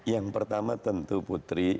yang pertama tentu putri